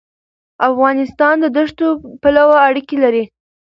افغانستان د دښتو پلوه اړیکې لري.